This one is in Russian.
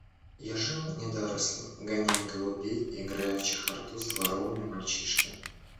Я жил недорослем, гоняя голубей и играя в чехарду с дворовыми мальчишками.